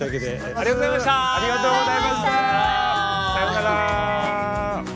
ありがとうございました！さようなら！